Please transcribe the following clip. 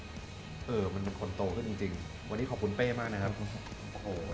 มันเป็นคนโตขึ้นจริงวันนี้ขอบคุณเป๊มากนะครับ